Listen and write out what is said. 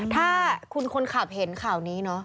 ถ้าคนขาบเห็นข่านี้